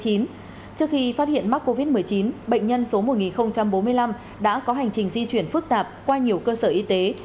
trước khi phát hiện mắc covid một mươi chín bệnh nhân số một nghìn bốn mươi năm đã có hành trình di chuyển phức tạp qua nhiều cơ sở y tế